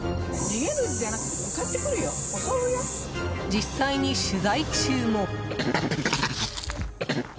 実際に取材中も。